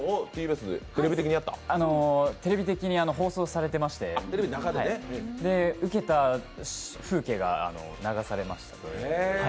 テレビ的に放送されていまして受けた風景が流されまして。